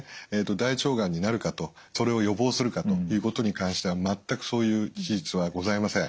大腸がんになるかとそれを予防するかということに関しては全くそういう事実はございません。